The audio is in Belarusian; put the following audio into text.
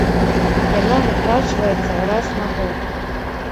Яна выплачваецца раз на год.